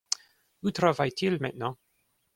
Où travaille-t-il maintenant ?